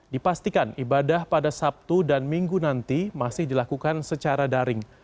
dipastikan ibadah pada sabtu dan minggu nanti masih dilakukan secara daring